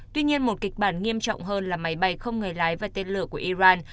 tuy nhiên một kịch bản nghiêm trọng hơn là máy bay không người lái và tên lửa của iran